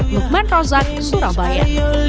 mekman rozak surabaya